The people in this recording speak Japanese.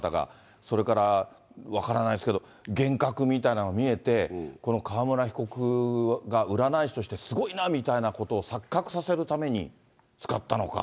それから分からないですけど、幻覚みたいなのが見えて、この川村被告が占い師としてすごいなみたいなことを錯覚させるために使ったのか。